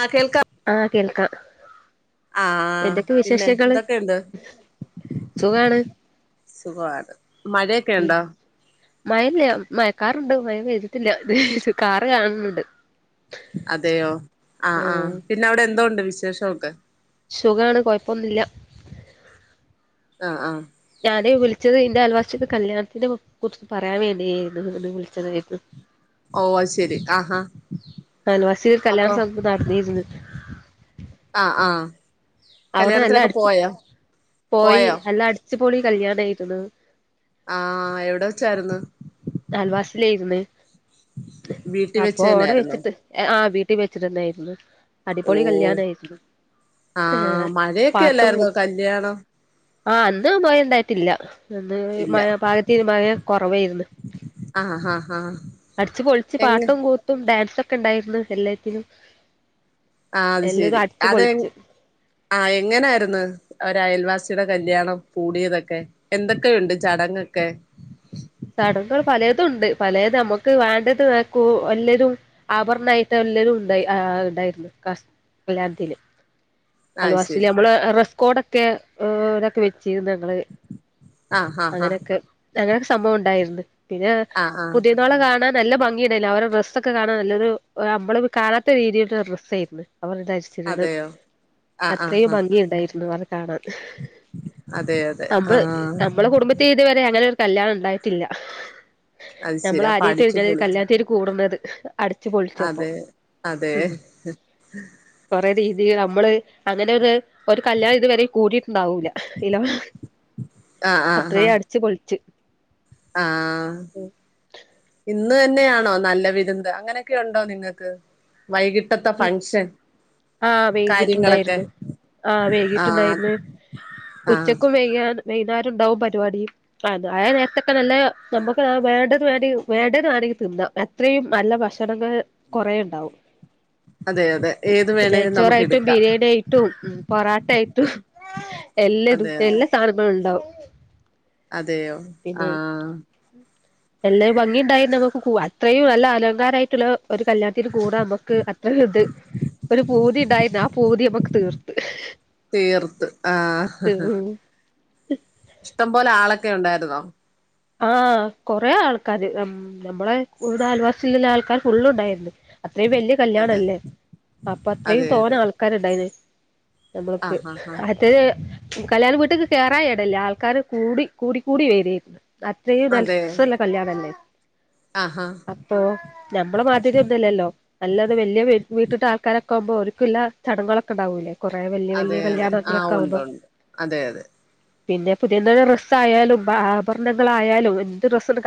ആ ആഹ് കേൾക്കാം ആഹ് എന്തൊക്കെ പിന്നെ വിശേഷങ്ങള് എന്തൊക്കെണ്ട് സുഖാണ് സുഖവാണ് മഴയൊക്കെ ഉണ്ടോ മഴില്ല മയക്കാറുണ്ട് മയ പെയ്തിട്ടില്ല കാറ് കാണുന്നുണ്ട് അതെയയോ ആഹ് ആഹ് ഉം പിന്നെ അവിടെ എന്തോണ്ട് വിശഷം ഒക്കെ സുഖാണ് കൊഴപ്പൊന്നില്ല ആഹ ആഹ ഞ വിളിച്ചത് അതിന്റെറെ അയൽവാസിടെ കല്യാണത്തിനേ കുറിച്ച് പറയാൻ വേണ്ടിയായിരുന്നു വിളിച്ചതായിരുന്നു ഓ അ ശെരി ആഹാ ആഹാ അല വസീർ കല്യാണ സംമ്പ്രദാർഥ ഇരുന്നുന്നത് [unintelligible] ആ ആ അവിടെ നല്ലാം കല്യാണത്തിനൊക്കെ അടിച്ചു പോയോ പോയി പോയോ എല്ലാം അടിച്ചു [unintelligible] ച്ചി പോളി കല്യാണായിരുന്നു [unintelligible] ആഹ എവിടെ വച്ചാരുന്ന് ായിുന്നേ [unintelligible] വെച്ച് അപ്പൊ ഓടെ തന്നൊയിരുന്നു വെച്ചിട്ട് ആീട്ട [unintelligible] കട്ടി വെച്ചിട്ട തന്നായിരുന്നു [unintelligible] അടിപൊളി കല്യാണ ആയിരുന്നു ആഹ മഴയൊക്കെ അല്ലായിരുന്നോ കല്യാണം ആഹ് അന്ന്ും പോയ എന്തായിട്ടില്ല [unintelligible] അന്ന് ഇല്ല മഴ പാകത്തിന് മഴ കുറവായിരുന്നു ആ ആ ആ അടിച്ച്ു പൊളിച്ച്ു എങ്ങ പാട്ടും കൂത്തും ഡാൻസ്ൊക്കെ ക്കണ്ടായിരുന്നു എല്ലാത്തിനും ആ അത് എല്ലതും ശെരി അടിച്ചു അതെ പൊളിച്ച് ആ എങ്ങനായിരുന്നു അവര് അയൽവാസിയുടെ കല്യാണം കൂടിയതൊക്കെ എന്തൊക്കെയുണ്ട് ചടങ്ങൊക്കെ ചടങ്ങൾ പലതും ഉണ്ട് പലത് നമുക്ക് വേണ്ടത്ക്ക എല്ലരും ആഭരണമായിട്ട് എല്ലരും ഉണ്ടായി ഉണ്ടായിരുന്നു കാ കല്യാത്തിൽ [unintelligible] ആഹ് അലവാസിൽ ശരി നമ്മള്റ കോടൊക്കെ് ഇതൊക്കെ വെ [unintelligible] ചെയീ ങ്ങള് ആഹ് ആഹ് ആഹ് അങ്ങനെയൊക്കെ അങ്ങനെ [unintelligible] സംഭവം ഉണ്ടായിരുന്നു പിന്നെ ആഹ് ആഹ് പുതിയ നോളെ കാണാൻ [unintelligible] നല്ല ഭംഗിയടായില്ല അവരുടെ ഡ്രസ്സ ഒക്കെ കാണാൻ നല്ലൊരു നമ്മള് കാണാത്ത രീതിയിലട്ടുള്ളരു ഡ്രസ്സ് ആയിരുന്നു അവർതരിച്ചിന്ന് അതെയോ ആഹ് ആഹ് അത്രയും ആഹ് ഭംഗി ഉണ്ടായിരുന്നു അവ [unintelligible] കാണ അതെ അതെ നമ്മള് ആഹ് നമ്മളെ കുടുംബത്തി്തുവരെ അങ്ങനെ [unintelligible] കല്യാണം ഉണ്ടായിട്ടില്ല അത് നമ്മൾ ശരി അപ്പൊ അടിച്ചു ആദ്യത്തെഴഞ്ഞല് പൊളിച്ച് കല്യാണം തേര് കൂടുന്നത് ആ അടച്ച്ു പൊളിച്ചപ്പ അതെ അതെ കൊറ രീതി നമ്മള് അങ്ങനെ ഒരു ഒരു കല്യാണം ഇതുവരെ കൂടി ഉണ്ടാവൂല ഇല അത്രയും അടച്ച്ു പൊളിിച്ചു ആഹ ഇന്ന് തന്നെയാണോ നല്ല വിതന്ത് അങ്ങനൊക്കെ ഉണ്ടോ നിങ്ങൾക്ക് വൈകിട്ടത്തെ ഫങ്ഷൻ ആഹ കാര്യങ്ങളൊക്കെ വൈകിട്ടുണ്ടായിരുന്നു ആഹ ആഹ് വേകിട്ടുണ്ടായിരുന്നു ആഹ് ഉച്ചക്കും വേകാൻ വൈനാരുണ്ടാവും പരിപാടിയും ആ അയാ നേരത്തൊക്കെ നല്ല നമ്മുക്ക് വേണ്ടത് വേണ്ട വേണ്ടത് വേണെങ്കിൽ തിന്താ എത്രയും നല്ല ഭക്ഷണങ്ങ കൊറെേ ഉണ്ടാവും അതെ അതെ ഏത് വേണേലും നമുക്ക് നെയച്ചോറായിട്ടും എടുക്കാം ബിരിയാണിയിട്ടും പൊറോട്ട ആയിട്ടും എല്ലാ അതെ അതെ എല്ലാ സാധനങ്ങളും ഉണ്ടാവും [inaudible] അതെയോ ആഹ എല്ലും ഭംഗിയ ഉണ്ടായിരുന്നു നമുക്ക് ക അത്രയും നല്ല അലങ്കാരായിട്ടുള്ള ഒരു കല്യാണത്തിന് കൂടെ നമ്മുക്ക് അത്രയും ഇത് ഒരു പൂതി ഉണ്ടായിരുന്നു ആ പൂതി നമ്മക്ക് തീർത്ത് തീർത്ത് ആഹ ഇഷ്ടം പോോലെ ആളൊക്കെ ഉണ്ടായി അക ആഹ കൊറെേ ആൾക്കാാര് നമ്മളെ ഒരു ത ആൽവാസില്ലുള്ള ആൾക്കാാര് ഫുള് ഉണ്ടായിരുന്നു അത്രയും വല്ിയ കല്യാണ അതെ അല്ലേ അപ്പൊ അത്രയും അതെ അതെ തോന്ന ആൾക്കാരുണ്ടായിന് നമ്മൾക്ക് ആഹ് ആഹ് ആഹ് അത കല്യാണ വീട്ടേക്ക് കയറായ ഇടല്ലേ ആൾക്കാാര് കൂടി കൂ കൂടി വരിായിരുന്നു അത്ര ഇല്ല അതെ സസല്ല കല്യാണല്ലേ ആഹാ അപ്പൊ നമ്മളെ മാധ്യതയൊന്നല്ലല്ലോ നല്ലത് വലിയ വീട്ടിട്ട് ആൾക്കാരൊക്കെ ഒക്കുമ്പോ ഒരിക്കലല്ല ചടങ്ങൊക്കെ ഉണ്ടാവൂലേ കൊറേ വല്യ അതെ വല്യ അതെ ആഹ് കല്യാണങ്ങളൊക്കെ ഉണ്ട് ആവുമ്പോ ഉണ്ട് അതെ അതെ പിന്നെ പുതിയന്ത രസം ആയാലും ന്തായാലും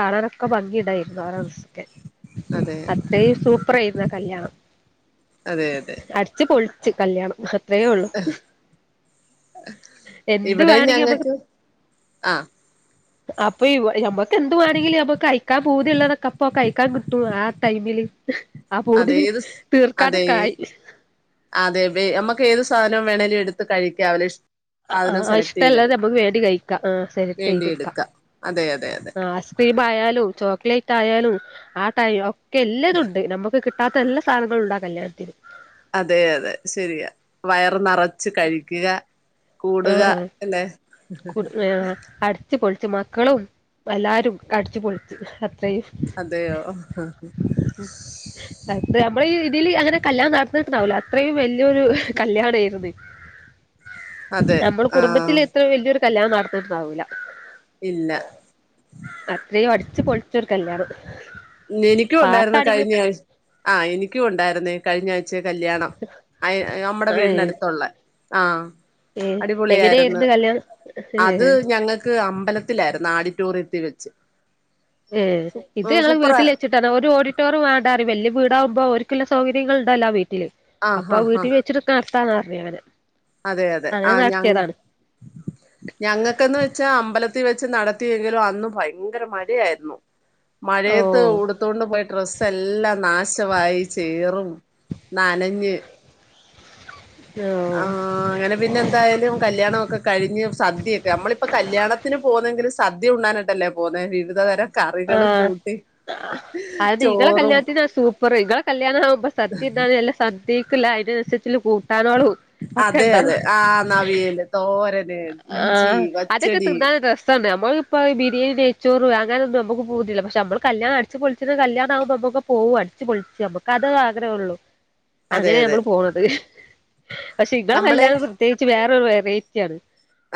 കാണാനൊക്കെ ഭംഗിടായിരുന്നു ആറ ദിവസക്കെ അതെ അത്രയും സൂപ്പർ ആയിുന്ന കല്യാണം അതെ അതെ അടച്ച് പോൾ കല്യാണം ഇത്രയേ ഉള്ളു എന്ത് ഇവിടെയും വേണെങ്കിമ്മക്ക് ഞങ്ങക്ക് ആഹ് അപ്പൊ മ്മക്ക് എന്തുവാേണെങ്കിലും നമ്മക്ക് അയക്കാൻ പോതിള്ളതൊക്കെ അപ്പ അഴക്കാൻ കിട്ടും ആ ടൈമില് ആ പൂതി അതെ ഏത് സ് അതെ തീർക്കാനൊക്കെ ആയി അതെ നമ്മക്ക് ഏത് സാധനം വേണേൽ എട്ത്ത് കഴിക്കാവലിഷ് അ ഹാ ഇഷ്ട്ടല്ലത് നമ്മക്ക് വേണ്ടി കഴിക്കാം ആഹ് വേണ്ടി സെലക്ട്‌ചെയ്തെട്ക്കാം. എടുക്കാം അതെ അതെ അതെ ആ അസ്ക്രീം ആയാലും ചോക്ലേറ്റ് ട്ടായാലും ആടൈ ഓ ഒക്കെല്ലതുണ്ട് നമ്മക്ക് കിട്ട് കിട്ടാത്ത എല്ലാ സാധനങ്ങളുണ്ട് ആ കല്യാണത്തിന്. അതെ അതെ ശെരിയാ വയറ് നെറ ച്ച് കഴിക്ക്ക. കൂടുക അല്ലെ കുട് ആ അട് ചെത്തി പൊളിച്ച് മക്കളും എല്ലാരും. അടിച്ച് പൊളിച്ച് അത്രയും അതെയോ ആ ത് നമ്മളെ ഈ ഇതില് അങ്ങനെ കല്യാണം നടന്നിട്ട്ണ്ടാവൂല അത്രയും വല്ല്യേരു കല്യാണേര്ന്നു. അതെ ആഹ് വലിയൊരു കല്യാണം നടന്നിട്ട്ണ്ടാവൂല. ഇല്ല ച്ച് പൊളിച്ചോര് കല്യാണം എനിക്കും ഉണ്ടായിര്ന്നു പാട്ടാണെങ്കിലും കഴിഞ്ഞ ആഴ്ച്ച ആഹ് എനി ക്കുണ്ടായിര്ന്നേ കഴിഞ്ഞ ആഴ് ച്ച കല്യാണം അ നമ്മടെ വീടിനട്ത്തുള്ളേ ആഹ് ഏ അടിപൊളിയായിരുന്നു എങ്ങനേര്ന്നു കല്യാണം ഏ അമ്പലത്തിലായിര്ന്നു. ആഡിറ്റോറിയത്തിൽ വെച്ച്. ഏ ഇത് ഞങ്ങളെ മിറ്റ് സൂപ്പറാ വീട്ടിലെച്ച്ട്ട് ഓല് വീടാകുമ്പോ ഒല സൗകര്യൾ ഉണ്ടല്ലോ വീ ആഹ് അപ്പൊ ആഹ് വീട്ടിൽ ആഹ് വെച്ചെടുക്ക ത്താന്ന് പറഞ്ഞു അങ്ങനെ അതെ അതെ അങ്ങനെ ആഹ് ഞങ്ങ് നടത്തിയതാണ് ഞങ്ങക്കെന്ന് വെച്ചാ അമ്പലത്തീ വെ ച്ച് നടത്തിയെങ്കിലും അന്ന് ഭയങ്കര മഴയായിരുന്നു. മഴത്ത് ഓഹ് ഉടുത്തൊണ്ട് പോയി ഡ്രസ്സ് എല്ലം നാശമായി ചേറും നനഞ്ഞ് ആ ഓഹ് അങ്ങനെ പിന്നെ എന്തായാലും കല്യാണം ഒക്കെ കഴിഞ്ഞ് സദ്യയൊക്കെ നമ്മളിപ്പോൾ കല്യാണത്തിന് പോകുന്നെങ്കിൽ സദ്യ ഉണ്ടാനായിട്ടല്ലേ പോകുന്നത് വിവിധ തരം ആ കറികളും കൂട്ടി അത് ഇങ്ങള് ചോറും കല്യാണത്തിന് സൂപ്പ പ്പർ ഇങ്ങള് കല്യാണം ആകു സദ്യ തിന്നാനെ നല്ല സദ്യ സെരിക്കുള്ള ആയിരംറെസിപ്റ്റ്ല്ല് പോവും അതെ അതെ ആ നവിയല് തോരൻ ആ അതക്ക തിന്നാന് രസം നമ്മളിപ്പൊഈ ബിരിയാണി നെയച്ചോറ് അങ്ങനൊന്നും നമുക്ക് പൂതില്ല പക്ഷെ നമ്മ കല്യാണം അടിച്ച് പൊളിച്ച് കല്യാണ ആകുമ്പോ നമുക്ക് പോകും അടിച്ച് പൊളിച്ച് നമ്മക്ക് അത് ആഗ്രഹഉള്ളൂ അതെ അങ്ങനെ അതെ നമ്മള് പോണത് പക്ഷെ ഇന്താ നമ്മള് കല്യാണം പ്രത്യേകിച്ച് വേറെ വെറൈറ്റി ആണ്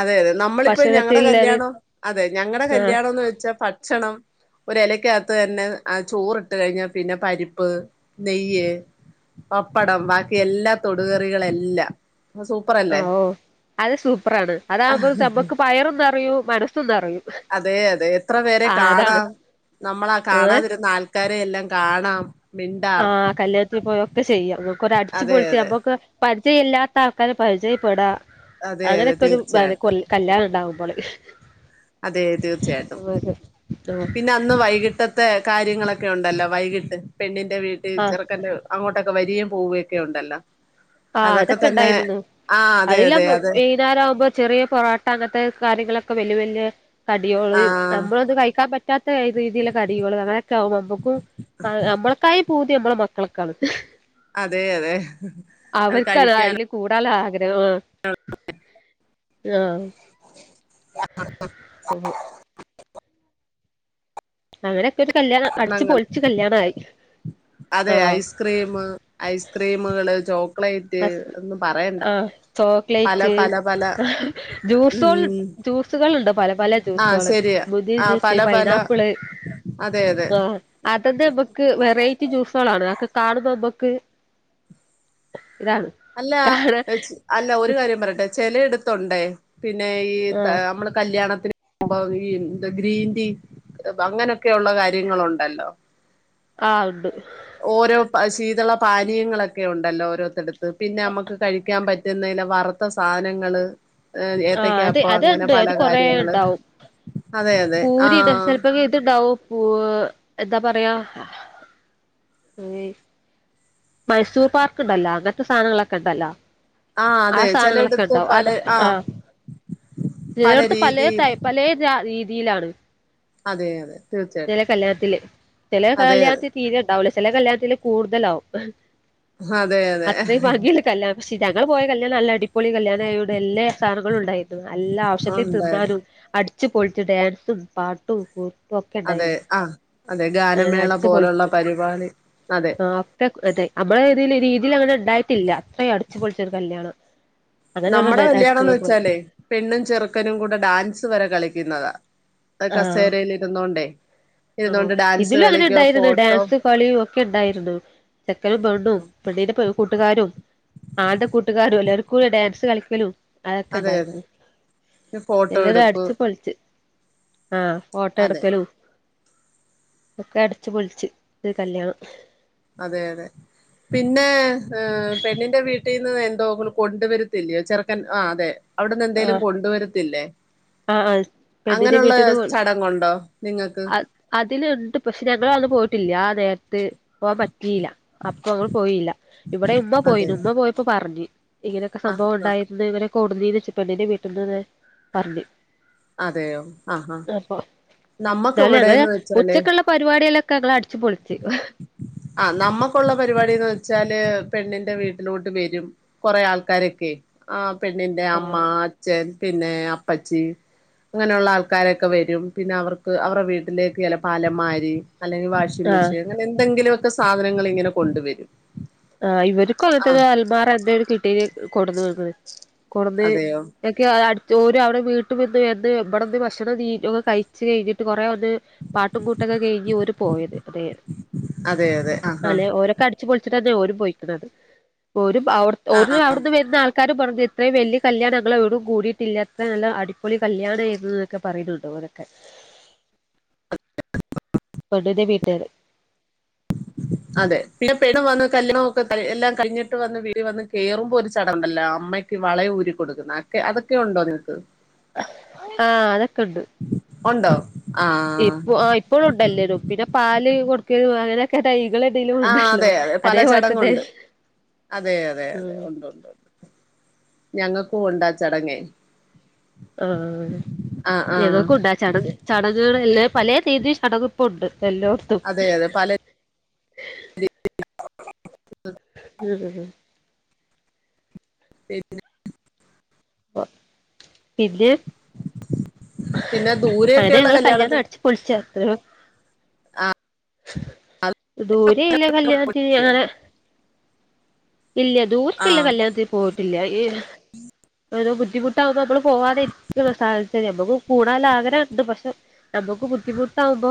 അതെ അതെ നമ്മളിപ്പോ ഞങ്ങളടെ കല്യാണോ അതെ ഞങ്ങളടെ ആഹ് കല്യാണം എന്ന് വെച്ചാ ഭക്ഷണം ഒരെലയ്ക്കകത്ത് തന്നെ ആ ചോറി ഇട്ട് കഴിഞ്ഞാൽ പിന്നെ പരിപ്പ് നെയ്യ് പപ്പടം ബാക്കി എല്ലാ തൊടുകറികളെല്ലാം ആ സൂപ്പറല്ലേ ഓ അത് സൂ പ്പറാണ് അതാകുമ്പോ നമ്മുക്ക് വയറ് നിറയും മനസ്സും നിറ അതെ അതെ എത്ര പേരെ അതാണ് കാണാം നമ്മളാ കാണാതിരുന്നാ ആ ൾക്കാരെ എല്ലാം കാണാം ആ മിണ്ടാം കല്യാത്തിൽ പോയ ഒക്കെ ചെയ്യാം ഒര് അടിച്ചു അതെ പോളിച്ച് അതെ നമ്മൊക്ക് പരിചയം ഇല്ലാത്ത ആൾക്കാര് പരിചയപ്പെടാം അതെ അതെ അങ്ങനെയൊക്കെ ഒരു വെല് തീർച്ചയായിട്ടും കൊല്ല് കല്യാണം ഉണ്ടാവും ആണ് അതെ തീർച്ചയായിട്ടും പിന്നെ അന്ന് വൈകിട്ടത്തെ കാര്യങ്ങളൊക്കെ ഉണ്ടല്ലോ വൈകിട്ട് പെണ്ണി ന്റെ വീട്ടിൽ ആഹ് ചെറുക്കൻന്റെ അങ്ങോട്ടൊക്കെ വരിയെം പോവയൊക്കെ ഉണ്ടല്ലോ ആ അതൊക്കെ ഉണ്ടായിരുന്നു ആ അതെ അതില്ലാം അതെ അതെ വൈകനേരം ആകുമ്പോ ചെറിയ പാട്ട് അങ്ങനത്തെ കാര്യങ്ങളൊ ക്കെ വല്യ വല്യ കടിയോള് ആ നമ്മളത് കഴിക്കാൻ പറ്റാത്ത രീതിയിലുള്ള കടികൾ അങ്ങനെയൊക്കെ ആകുമ്പോ നമ്മുക്കും നമ്മക്കായി പൂതി നമ്മളെ മക്കൾക്കാണ് അതെ അതെ അത് അവർകതാ കഴിക്കാൻ അയില് കൂടാല്ല ആ ഗ്രെഹാമാ ആ [inaudible] [unintelligible] [unintelligible] കൊരു കല്യാണം അട്ച്ച് ഭക്ഷണങ്ങൾ പൊൾച്ച് കല്യാണായി അതെ ആഹ് ഐസ്ക്രീമ് ഐസ്ക്രീമ്കള് ചോ ക്ളേറ്റ് ഹസ് ഒന്നും പറയണ്ട ആഹ് പല ചോക്ലേറ്റ് പല പല ജ്യൂസൊള് ഉം ജ്യൂസ്കള് ഇണ്ടോ പലെ പലെ ആഹ് ജ്യൂസാള് ശരിയാ മുന്തിരി ആഹ് ജ്യൂസ്, പല പല പൈനാപ്പ്ള്, അതെ അതെ ആഹ് അതത് നമ്മക്ക് വെറൈറ്റി ജ്യൂസാളാ ആണ് അക്കെ കാണുമ്പ അമ്മക്ക് അല്ലാ അല്ല ഒര് കാര്യം പറയട്ടെ ചെലെട് തൊണ്ടേ പിന്നേ ഈ താ ആഹ് അമ്മള് കല്ല്യാണം മ്പോ ഈ ന്ത ഗ്രീൻടീ അങ്ങനെക്കെയുള്ള കാര്യങ്ങളുണ്ടല്ലോ ആഹ് ഇണ്ട് ഓരോ പ ശീതള പാനീയങ്ങളൊക്കെ ഉണ്ടല്ലോ ഓരോര് ത്ത് പിന്നെ അമ്മക്ക് കഴിക്കാൻ പ തിന്ന് കയ്ഞാ വറ്ത്ത സാനങ്ങള് ആ അത് അത്ണ്ട് അത് കൊറേ കാര്യങ്ങള് ഇണ്ടാവും അതെ അതെ പൂരിഇണ്ട് ആഹ് ചെലപ്പോങ്കി ഇത്ണ്ടാവും പൂ എന്താ പറയാ ഞ്ഞി മൈസൂർ പാർക്ക്ണ്ടല്ലാ അങ്ങനത്തെ സാധനങ്ങളൊക്കെണ്ടല്ലോ ആഹ് ആ അതെ ചെലയിടത്ത് സാനങ്ങളൊക്കെണ്ടാവും പല ആത് ആ ആഹ് പല ചിലേടുത്ത് രീതിയിൽ പലേടൈപ്പ് പലേ ജാതി തിയിലാണ് അതെ അതെ തീർച്ചയാ ചെലെ കല്യാണത്തിന് തീരേ ണ്ടാവൂല ചെലെ കല്യാണത്തില് കൂട്തലാവും അതെ അതെ അത്രയും ഭംഗിയുള്ള കല്യാ ചി ഞങൾ പോയ കല്യാണ നല്ല അടി പ്പൊളി കല്യാണയോണ്ട് എല്ലാ സാനങ്ങളുണ്ടായിരുന്നു അല്ലാ ആവശ്യത്തി ഉണ്ടായിരുന്നു തിന്നാനും അ ച്ച്, പൊളിച് ഡേൻസും, പാട്ടും, കൂത്തും ഒക്കെ അതെ ഉണ്ടായിരുന്നു ആ അതെ അങ്ങനെ ഗാനമേള അടിച്ചു പോലുള്ള പൊളിച്ച് പരിപാടി അതെ. ആ ഒക്കെ അതെ, അമ്മളെതീല് രീതിലങ്ങനെ ണ്ട് ണ്ടാട്ടില്ല. അത്രയും അടു അട്ച് പൊളിച്ചൊരു കല്യാണം നമ്മുടെ അങ്ങനെ കല്യാണം എന്ന് അടിച്ചു പോയി വെച്ചാലെയ് പെണ്ണും, ചെറുക്കനും കൂടെ ഡാൻസ് വരെ കളി പിന്നത കസേരൽ ഇരുന്നോണ്ടേ ആം ഇരുന്നോണ്ട് ഡാൻസ് ഇതിലും അങ്ങനെ കളിക്കുക ഉണ്ടായിരുന്നു ഫോട്ടോ ഡാൻസ് കളിയും ഒക്കെ ഉണ്ടായിരുന്നു ചെക്കനും, പെണ്ണും, പെണ്ണിന്റെ പെ കൂട്ടുകാരും ആണിന്റെ കൂട്ടുകാരും എല്ലാരും സ്കൂൾ ഡാൻസ് കളിക്കലും അഅക്കെ അതെ അതെ ഇണ്ടായിരുന്നു ഫോട്ടോ എല്ലാരും എടുപ്പ് അടിച്ച് പൊള്ച്ച് ആഹ് ഫോട്ടോ അതെ എടുക്കലും - ഒക്കെ അട്ച്ച് പൊളിച്ച് ഇത്ഒരു കല്യാണം അതെ, അതെ പിന്നെ ഏ് പെണ്ണിന്റെ വീട്ടീന്ന് എന്തോങ്ക്ളും കൊണ്ട് വരത്തില്ലേ ചെറുക്കൻ ആഹ് അതെ അവിടന്ന് എന്തേലും കൊണ്ട് വരത്തില്ലേ. ആ ആ പെണ്ണിന്റെ വീട്ടിന്ന് പോയി ചടങ്ങുണ്ടോ നിങ്ങൾക്ക്? അ അതിലുണ്ട് പക്ഷെ ഞങ്ങളന്ന് പോയിട്ടില്ല ആ നേ പോൻ പറ്റിയില്ല അപ്പൊ അങ്ങൾ പോയില്ല ഇവിടെ ഉമ്മ അതെ പോയിന് ഉമ്മ പോയപ്പോ പറഞ്ഞ്. ഇങ്ങനൊക്കെ ആഹ് സംബവം ആഹ് ഉണ്ടായിര്ന്ന് കൊട്ന്നീന്നെച്ച് പെണ്ണിൻ്റെ വീട്ട്ന്നാന്ന് പറഞ്ഞ് അതെയോ, ആഹ്, ഹാ ഇന്നാലും ഞങ്ങള് ഉച്ചക്ക്ള്ള പരിപാടി യേലൊക്കെ ഞങ്ങള് അടിച്ചുപൊളിച്ച്. ച്ചാല് പെണ്ണിന്റെ വീട്ടിലോട്ട് വരും കൊറേ ആൾക്കാരെക്കെ ആ പെണ്ണിൻ്റെ അമ്മ, അച്ഛൻ പിന്നെ-അപ്പച്ചി ഇങ്ങനെയുള്ള ആൾക്കാരൊക്കെ വരും. പിന്നെ അവർക്ക് അവറെ വീട്ടിലേക്ക് ചെലപ്പ അലമാരി, അല്ലെങ്കി വാഷിംഗ് ആഹ് മെഷീൻ അങ്ങനെന്തെങ്കിലും ഒ ക്കെ സാധനങ്ങള് ഇങ്ങനെ കൊണ്ടുവരും. ആഹ് ഇവര്ക്കും അങ്ങനെ ആഹ് തന്നെ, അൽമാറന്നേണ് കിട്ടീന് കൊട്ന്നന്ന്ക്ക്ണ് കൊട്ന്ന് അതെയോ [unintelligible] അട് [unintelligible] അവടെ പോര് അവടെ വീട്ട് [unintelligible] ഇബടന്ന് ഭക്ഷണം തീറ്റ ഒക്കെ കഴിച്ച് കയ്ഞ്ഞ്ട്ട് കൊറേ വ ന്ന് പാട്ടും കൂട്ടൊക്കെ കഴിഞ്ഞ് ഓര് പോയത്. അതെ അതെ അതെ ആഹ് ആഹ് അലേ ഓലൊക്കെ അടിച്ചുപൊളിച്ച് തന്നെ ഓര് പോയിക്ക്ണത് ഓരും അവ്ട്ത് ഓര് അവിട്ന്ന് വര്ഞെ ആൾ ആക്കാരും പറഞ്ഞ് ഇത്രയും വല്ല്യ കല്യാണം അങ്ങള് എവിടും കൂടീട്ടില്ല അത്ത നല്ല അടിപൊളി കല്യാണം എന്നൊക്കെ പറയുന്നുണ്ടോ ഓലൊക്കെ പെണ്ണ്ന്റെ വീട്ടാര് അതെ പിന്നെ പെണ്ണും വന്ന് കല്യണം ഒക്കെ തലെ എല്ലാം കഴിഞ്ഞിട്ട് വന്ന് വീടിവന്ന് കേറുമ്പോ ഒരു ചടഉണ്ടല്ലോ അമ്മയ്ക്ക് വളയൂരി കൊടുക്കുന്ന അക്കെ അതൊക്കെ ഉണ്ടോ നിങ്ങക്ക് ആഹ് ഉണ്ടോ ആ ഇപ്പ ആ ഇപ്പോഴും ഉണ്ടല്ലേും പിന്നെ പാ കൊടുക്ക അങ്ങനെയൊക്കെൈ ആ അതെ അതെ പല ചടങ്ങ ഉണ്ട് അതെ അതെ അതെ ഉം ഉണ്ട് ഉണ്ട്ണ്ട് ഞങ്ങൾക്കും ഉണ്ടാ ചടങ്ങേ ആ ആ ആ ഏതൊക്കെ ഉണ്ടാ ചടങ്ങ് ചടങ്ങുകളെല്ലാം പലേ തീയതിയിൽ തടകുപ്പ് ഉണ്ട് എല്ലോർത്തും അതെ അതെ ഉ [unintelligible] ഉ [unintelligible] പ [unintelligible] പിന്നെ പിന്നെ അങ്ങനെ ദൂരെയൊക്കെയുള്ള ഞങ്ങള് കല്യാണം അടച്ച്ു പൊളിച്ചുത്ത ആഹ് [inaudible] [unintelligible] ദൂരെല്ല കല്യാണത്തിന് ങ്ങനെ ഇല്ല ആ ദൂർക്കെല്ലാം കല്യാണത്തി പോയിട്ട് ഇല്ല ോ ബുദ്ധിമുട്ടകുമ്പോ നമ്മള് പോവാാനരിക്കും നമ്മുക്ക് കൂടാൽ ആഗ്രഹംുണ്ട് പക്ഷെ നമ്മുക്ക് ബുദ്ധിമുട്ടാാവുമ്പോ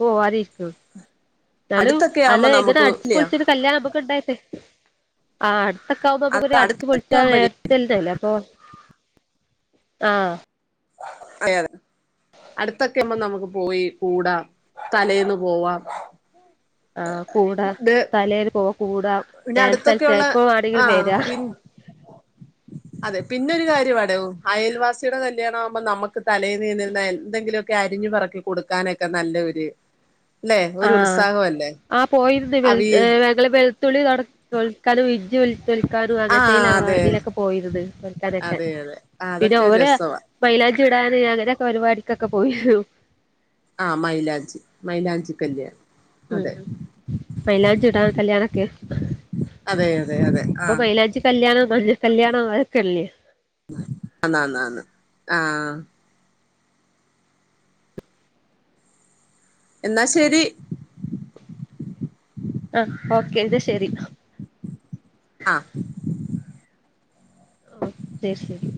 പോവാതിരിക്കും എന്നാലും അടുത്തൊക്കെ ആവുമ്പോ അല്ല ഇങ്ങനെ നമുക്ക് അടിച്ചച്ച് ഇല്ല പൊളിച്ചിട്ട് കല്യാണം നമുക്ക് ഉണ്ടായി [inaudible] [unintelligible] ആ അത് അടുത്തൊക്കാവുമ്പോമ്മൊക്ക അടുത്തൊക്കെ അടിച്ചുൊളിച്ചാ ആവുമ്പോഴേ ല്ല അപ്പൊ ആഹ അയതെ അടുത്തൊക്കെമ്മ നമുക്ക് പോയി കൂടാ തഥലേന്ന് പോവാം ആഹ് കൂട ഇത് തലേൽ പോ കൂടാ പിന്നെ ഡാൻസ് തൽസ അടുത്തൊക്കെയുള്ള ഇപ്പ ആടികൾ ആ വരാ പിൻ അതെ പിന്നെരു കാര്യം അട അയൽവാസിയുടെ കല്യാണ ആവുമ്പോൾ നമുക്ക് തലയിൽ നീന്നിരുന്ന എന്തെങ്കിലുമൊക്കെ അരിഞ്ഞു പറക്കി കൊടുക്കാനൊക്കെ നല്ലൊരു ആ ആ പോയിന്ന് അവി വ വെളുത്തുള്ളി നട തോൾക്കാല വിജ ഉ തൊലിക്കാനും ആ അങ്ങനത്തെതി അതെ തിലൊക്കെ പോയിരുന്ന്. പെറുക്കനെക്കെ അതെ അതെ ആ, അതൊക്കെ ഒരു പിന്നെയൊര് രസവാ മയലാ പ്പിടാന് അങ്ങനെക്ക പരിപാടിക്കെക്കെ പോയിരും. ആ മൈലാഞ്ചി മൈലാഞ്ചി കല്യാണം. ഉം അതെ മൈലാഞ്ചിടാൻ കല്യാണൊക്കെ. [unintelligible] അതെ അതെ അതെ ഇപ്പൊ ആഹ് മൈലാഞ്ചി കല്യാണം മഞ്ഞ കല്യാണം അവർക്കല്ലേ ആന്നന്നാന്ന് ആഹ് എന്നാ ശെരി ആഹ് ഓക്കെ ന്നാ ശെരി ആഹ് ഓ ശെരി ശെരി